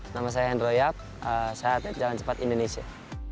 nama saya hendro yap saya atlet jalan cepat indonesia